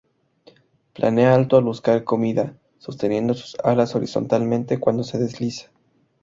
Planea alto al buscar comida, sosteniendo sus alas horizontalmente cuando se desliza.